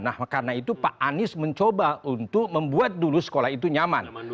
nah karena itu pak anies mencoba untuk membuat dulu sekolah itu nyaman